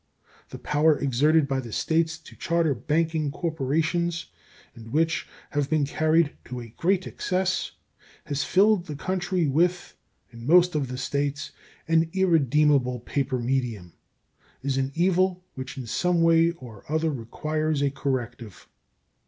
The power exerted by the States to charter banking corporations, and which, having been carried to a great excess, has filled the country with, in most of the States, an irredeemable paper medium, is an evil which in some way or other requires a corrective.